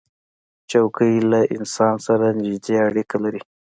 چوکۍ له انسان سره نزدې اړیکه لري.